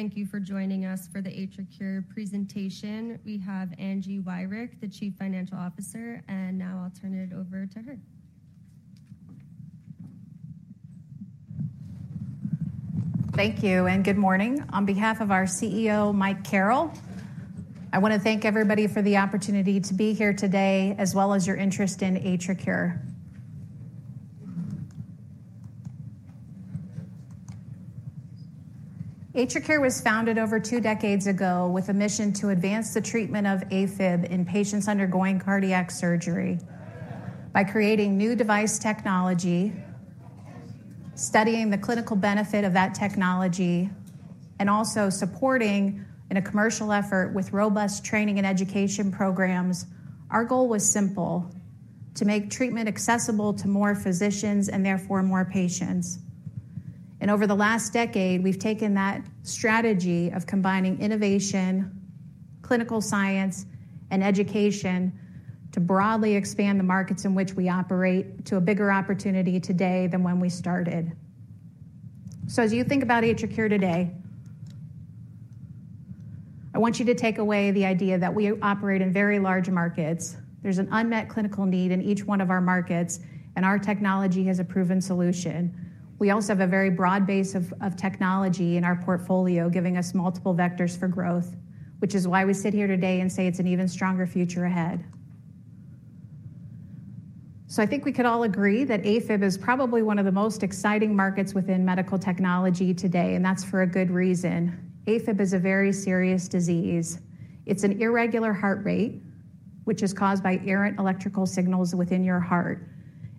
Thank you for joining us for the AtriCure presentation. We have Angie Wirick, the Chief Financial Officer, and now I'll turn it over to her. Thank you, and good morning. On behalf of our CEO, Mike Carrel, I want to thank everybody for the opportunity to be here today, as well as your interest in AtriCure. AtriCure was founded over two decades ago with a mission to advance the treatment of AFib in patients undergoing cardiac surgery. By creating new device technology, studying the clinical benefit of that technology, and also supporting in a commercial effort with robust training and education programs, our goal was simple: to make treatment accessible to more physicians and therefore more patients. Over the last decade, we've taken that strategy of combining innovation, clinical science, and education to broadly expand the markets in which we operate to a bigger opportunity today than when we started. As you think about AtriCure today, I want you to take away the idea that we operate in very large markets. There's an unmet clinical need in each one of our markets, and our technology has a proven solution. We also have a very broad base of technology in our portfolio, giving us multiple vectors for growth, which is why we sit here today and say it's an even stronger future ahead. So I think we could all agree that AFib is probably one of the most exciting markets within medical technology today, and that's for a good reason. AFib is a very serious disease. It's an irregular heart rate, which is caused by errant electrical signals within your heart.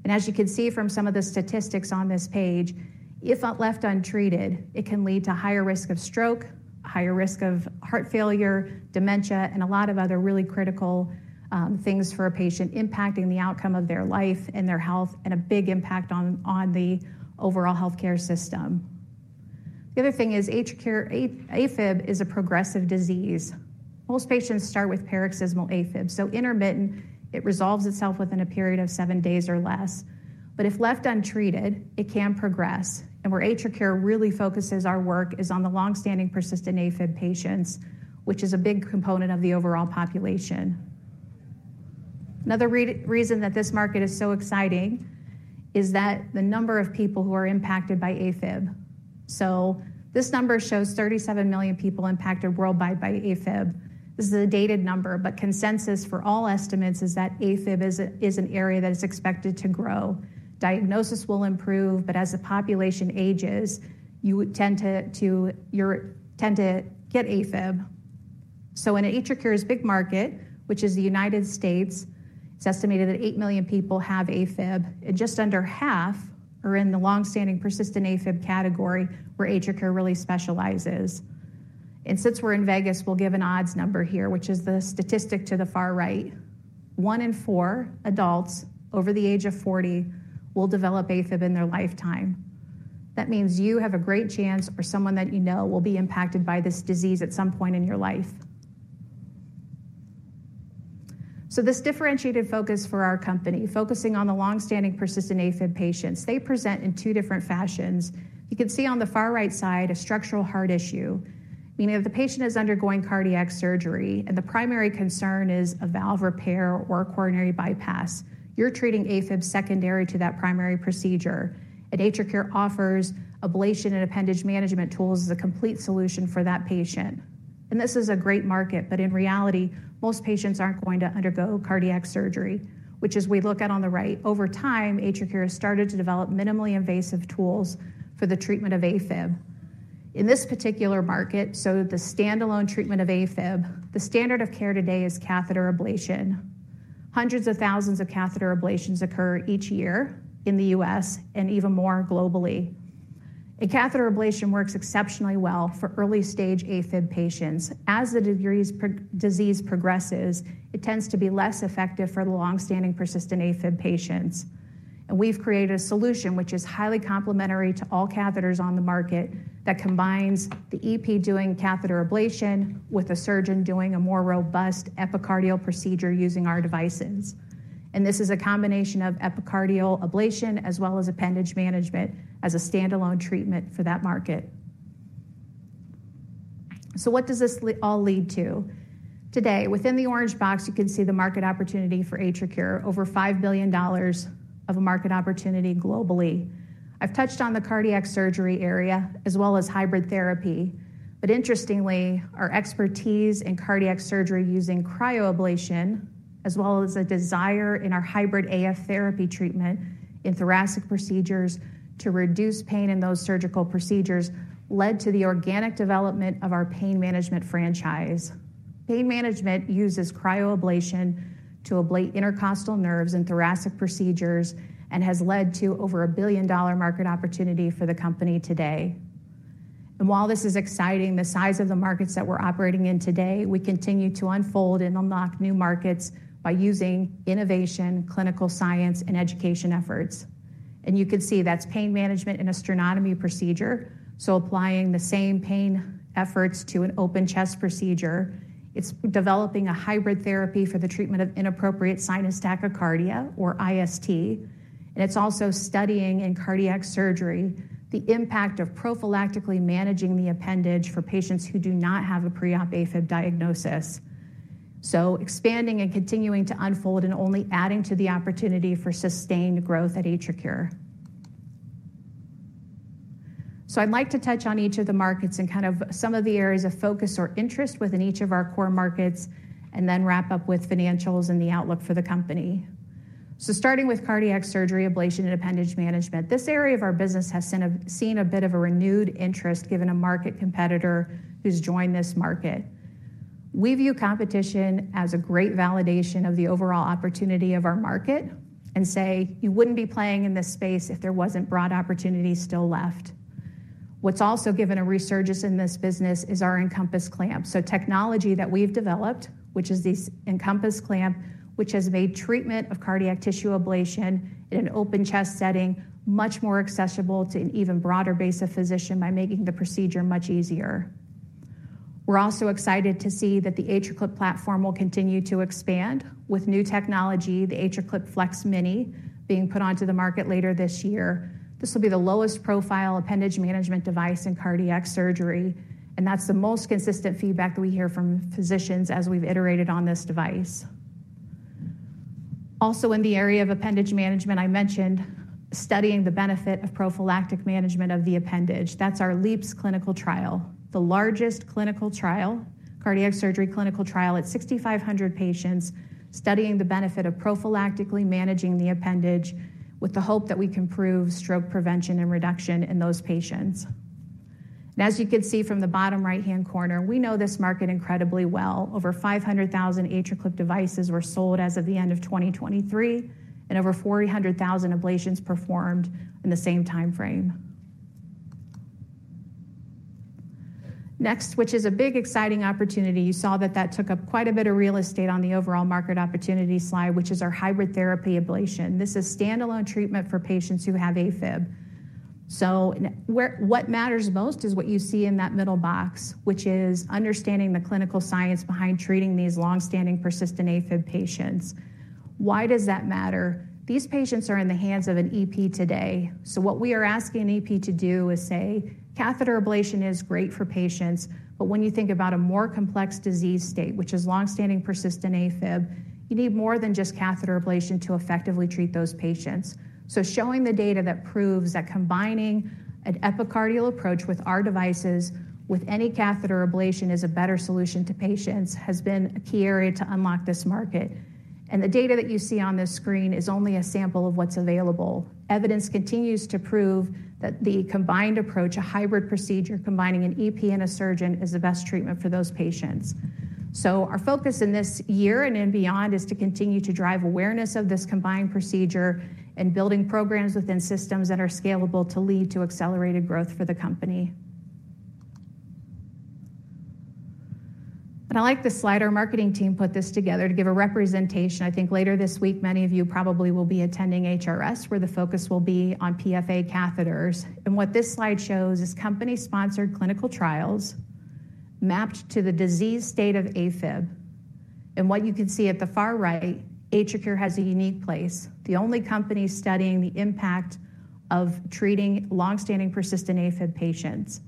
As you can see from some of the statistics on this page, if not left untreated, it can lead to higher risk of stroke, higher risk of heart failure, dementia, and a lot of other really critical things for a patient, impacting the outcome of their life and their health, and a big impact on the overall healthcare system. The other thing is AtriCure, AFib is a progressive disease. Most patients start with paroxysmal AFib, so intermittent, it resolves itself within a period of seven days or less. But if left untreated, it can progress. And where AtriCure really focuses our work is on the long-standing persistent AFib patients, which is a big component of the overall population. Another reason that this market is so exciting is that the number of people who are impacted by AFib. So this number shows 37 million people impacted worldwide by AFib. This is a dated number, but consensus for all estimates is that AFib is an area that is expected to grow. Diagnosis will improve, but as the population ages, you would tend to get AFib. So in AtriCure's big market, which is the United States, it's estimated that eight million people have AFib, and just under half are in the long-standing persistent AFib category, where AtriCure really specializes. And since we're in Vegas, we'll give an odds number here, which is the statistic to the far right. one in four adults over the age of 40 will develop AFib in their lifetime. That means you have a great chance or someone that you know will be impacted by this disease at some point in your life. So this differentiated focus for our company, focusing on the long-standing persistent AFib patients, they present in two different fashions. You can see on the far right side a structural heart issue, meaning if the patient is undergoing cardiac surgery and the primary concern is a valve repair or a coronary bypass, you're treating AFib secondary to that primary procedure. AtriCure offers ablation and appendage management tools as a complete solution for that patient. This is a great market, but in reality, most patients aren't going to undergo cardiac surgery, which as we look at on the right, over time, AtriCure has started to develop minimally invasive tools for the treatment of AFib. In this particular market, so the standalone treatment of AFib, the standard of care today is catheter ablation. Hundreds of thousands of catheter ablations occur each year in the U.S. and even more globally. A catheter ablation works exceptionally well for early-stage AFib patients. As the disease progresses, it tends to be less effective for the long-standing persistent AFib patients. We've created a solution which is highly complementary to all catheters on the market that combines the EP doing catheter ablation with a surgeon doing a more robust epicardial procedure using our devices. This is a combination of epicardial ablation as well as appendage management as a standalone treatment for that market. What does this all lead to? Today, within the orange box, you can see the market opportunity for AtriCure, over $5 billion of a market opportunity globally. I've touched on the cardiac surgery area as well as hybrid therapy, but interestingly, our expertise in cardiac surgery using cryoablation, as well as a desire in our hybrid AF therapy treatment in thoracic procedures to reduce pain in those surgical procedures, led to the organic development of our pain management franchise. Pain management uses cryoablation to ablate intercostal nerves in thoracic procedures and has led to over a billion-dollar market opportunity for the company today. And while this is exciting, the size of the markets that we're operating in today, we continue to unfold and unlock new markets by using innovation, clinical science, and education efforts. And you can see that's pain management in a sternotomy procedure, so applying the same pain efforts to an open chest procedure. It's developing a hybrid therapy for the treatment of inappropriate sinus tachycardia, or IST, and it's also studying in cardiac surgery the impact of prophylactically managing the appendage for patients who do not have a pre-op AFib diagnosis. So expanding and continuing to unfold and only adding to the opportunity for sustained growth at AtriCure. So I'd like to touch on each of the markets and kind of some of the areas of focus or interest within each of our core markets, and then wrap up with financials and the outlook for the company. So starting with cardiac surgery, ablation, and appendage management, this area of our business has seen a bit of a renewed interest given a market competitor who's joined this market. We view competition as a great validation of the overall opportunity of our market and say, "You wouldn't be playing in this space if there wasn't broad opportunity still left." What's also given a resurgence in this business is our EnCompass Clamp. Technology that we've developed, which is this EnCompass Clamp, which has made treatment of cardiac tissue ablation in an open chest setting much more accessible to an even broader base of physician by making the procedure much easier. We're also excited to see that the AtriClip platform will continue to expand with new technology, the AtriClip FLEX-Mini, being put onto the market later this year. This will be the lowest profile appendage management device in cardiac surgery, and that's the most consistent feedback that we hear from physicians as we've iterated on this device. Also, in the area of appendage management, I mentioned studying the benefit of prophylactic management of the appendage. That's our LeAAPS clinical trial, the largest cardiac surgery clinical trial at 6,500 patients, studying the benefit of prophylactically managing the appendage with the hope that we can prove stroke prevention and reduction in those patients. As you can see from the bottom right-hand corner, we know this market incredibly well. Over 500,000 AtriClip devices were sold as of the end of 2023, and over 400,000 ablations performed in the same time frame. Next, which is a big, exciting opportunity. You saw that that took up quite a bit of real estate on the overall market opportunity slide, which is our hybrid therapy ablation. This is standalone treatment for patients who have AFib. What matters most is what you see in that middle box, which is understanding the clinical science behind treating these long-standing persistent AFib patients. Why does that matter? These patients are in the hands of an EP today. So what we are asking an EP to do is say, "Catheter ablation is great for patients, but when you think about a more complex disease state, which is long-standing, persistent AFib, you need more than just catheter ablation to effectively treat those patients." So showing the data that proves that combining an epicardial approach with our devices, with any catheter ablation is a better solution to patients, has been a key area to unlock this market. And the data that you see on this screen is only a sample of what's available. Evidence continues to prove that the combined approach, a hybrid procedure, combining an EP and a surgeon, is the best treatment for those patients. So our focus in this year and beyond is to continue to drive awareness of this combined procedure and building programs within systems that are scalable to lead to accelerated growth for the company. But I like this slide. Our marketing team put this together to give a representation. I think later this week, many of you probably will be attending HRS, where the focus will be on PFA catheters. And what this slide shows is company-sponsored clinical trials mapped to the disease state of AFib. And what you can see at the far right, AtriCure has a unique place, the only company studying the impact of treating long-standing persistent AFib patients.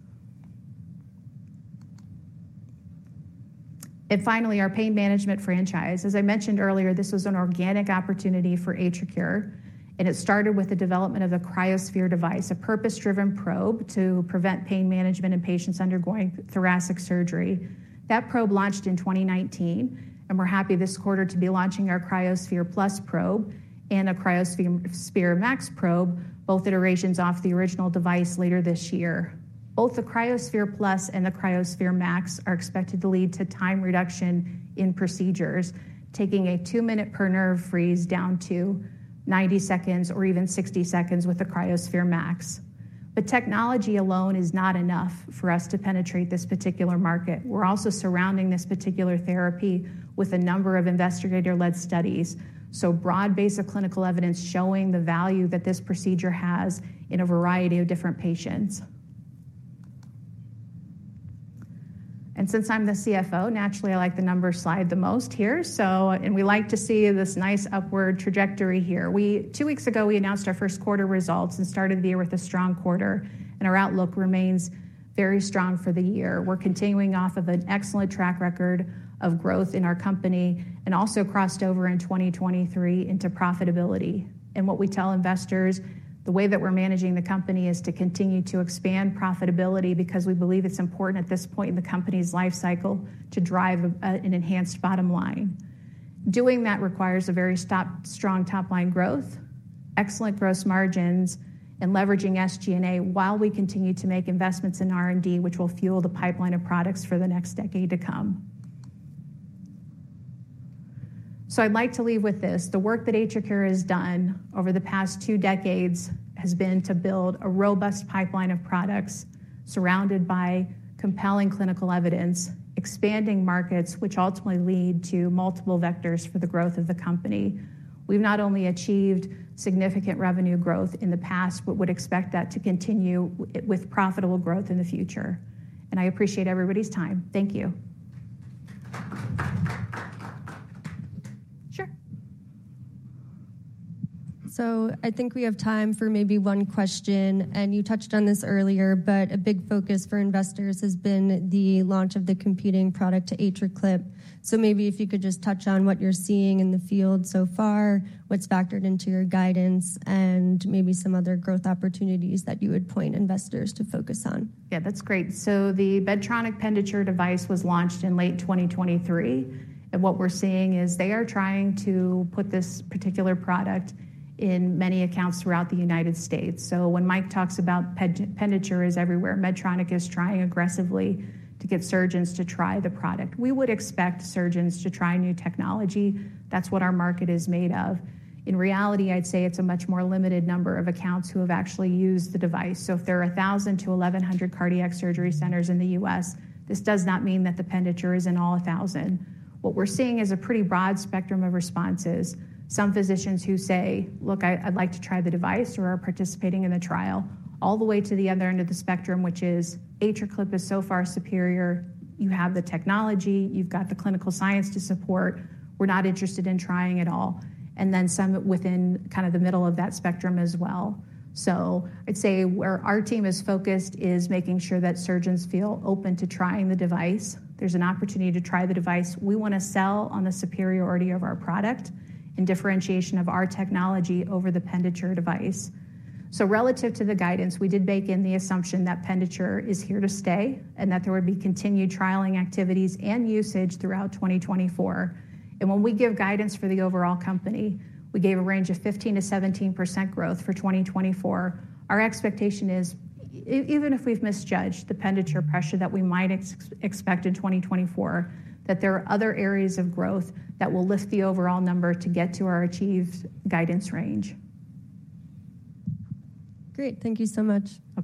And finally, our pain management franchise. As I mentioned earlier, this was an organic opportunity for AtriCure, and it started with the development of the cryoSPHERE device, a purpose-driven probe to prevent pain management in patients undergoing thoracic surgery. That probe launched in 2019, and we're happy this quarter to be launching our cryoSPHERE Plus probe and a cryoSPHERE MAX probe, both iterations off the original device later this year. Both the cryoSPHERE Plus and the cryoSPHERE MAXare expected to lead to time reduction in procedures, taking a 2-minute per nerve freeze down to 90 seconds or even 60 seconds with the cryoSPHERE MAX. But technology alone is not enough for us to penetrate this particular market. We're also surrounding this particular therapy with a number of investigator-led studies, so broad base of clinical evidence showing the value that this procedure has in a variety of different patients. And since I'm the CFO, naturally, I like the number slide the most here, and we like to see this nice upward trajectory here. Two weeks ago, we announced our first quarter results and started the year with a strong quarter, and our outlook remains very strong for the year. We're continuing off of an excellent track record of growth in our company and also crossed over in 2023 into profitability. And what we tell investors, the way that we're managing the company is to continue to expand profitability because we believe it's important at this point in the company's life cycle to drive an enhanced bottom line. Doing that requires a very strong top-line growth, excellent gross margins, and leveraging SG&A while we continue to make investments in R&D, which will fuel the pipeline of products for the next decade to come. So I'd like to leave with this. The work that AtriCure has done over the past two decades has been to build a robust pipeline of products surrounded by compelling clinical evidence, expanding markets, which ultimately lead to multiple vectors for the growth of the company. We've not only achieved significant revenue growth in the past, but would expect that to continue with profitable growth in the future. And I appreciate everybody's time. Thank you. Sure. I think we have time for maybe one question, and you touched on this earlier, but a big focus for investors has been the launch of the competing product to AtriClip. So maybe if you could just touch on what you're seeing in the field so far, what's factored into your guidance, and maybe some other growth opportunities that you would point investors to focus on. Yeah, that's great. So the Medtronic Penditure device was launched in late 2023, and what we're seeing is they are trying to put this particular product in many accounts throughout the United States. So when Mike talks about Penditure is everywhere, Medtronic is trying aggressively to get surgeons to try the product. We would expect surgeons to try new technology. That's what our market is made of. In reality, I'd say it's a much more limited number of accounts who have actually used the device. So if there are 1,000-1,100 cardiac surgery centers in the U.S., this does not mean that the Penditure is in all 1,000. What we're seeing is a pretty broad spectrum of responses. Some physicians who say, "Look, I, I'd like to try the device," or are participating in the trial, all the way to the other end of the spectrum, which is, "AtriClip is so far superior. You have the technology; you've got the clinical science to support. We're not interested in trying at all." And then some within kind of the middle of that spectrum as well. So I'd say where our team is focused is making sure that surgeons feel open to trying the device. There's an opportunity to try the device. We want to sell on the superiority of our product and differentiation of our technology over the Penditure device. So relative to the guidance, we did bake in the assumption that Penditure is here to stay and that there would be continued trialing activities and usage throughout 2024. When we give guidance for the overall company, we gave a range of 15%-17% growth for 2024. Our expectation is even if we've misjudged the Penditure pressure that we might expect in 2024, that there are other areas of growth that will lift the overall number to get to our achieved guidance range. Great. Thank you so much. Okay.